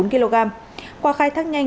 một mươi bốn kg qua khai thác nhanh